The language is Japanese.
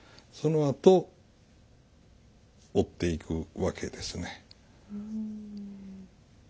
そのあと折っていくわけですね。